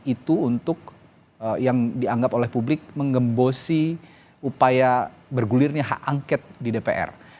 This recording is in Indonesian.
dan itu yang namanya makna dibalik itu untuk yang dianggap oleh publik mengembosi upaya bergulirnya hak angket di dpr